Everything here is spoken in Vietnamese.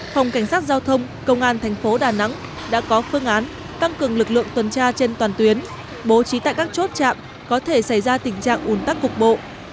phòng cảnh sát giao thông công an thành phố đà nẵng đã có phương án tăng cường lực lượng tuần tra trên toàn tuyến bố trí tại các chốt chạm có thể xảy ra tình trạng ủn tắc cục bộ